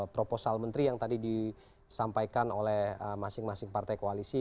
proposal menteri yang tadi disampaikan oleh masing masing partai koalisi